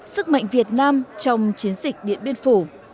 sức mạnh việt nam trong chiến dịch điện biên phủ